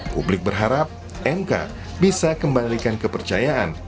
publik berharap mk bisa kembalikan kepercayaan